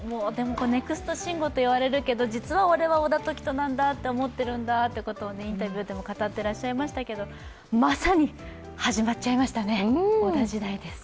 ネクスト・慎吾と言われているけど実は俺は小田凱人なんだって思っているということもインタビューでも語ってらっしゃいましたけど、まさに始まっちゃいましたね、小田時代です。